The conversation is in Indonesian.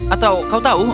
atau kau tahu